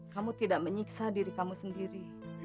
kamu tidak menyiksa diri kamu sendiri